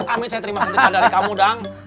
amin saya terima sedekah dari kamu dong